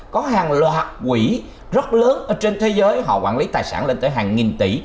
có hàng loạt quỹ rất lớn ở trên thế giới họ quản lý tài sản lên tới hàng nghìn tỷ